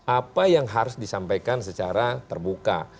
apa yang harus disampaikan secara terbuka